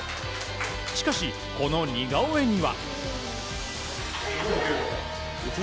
しかし、この似顔絵には。